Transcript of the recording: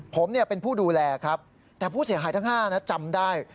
ผมเป็นผู้ดูแลครับแต่ผู้เสียหายทั้ง๕นะจำได้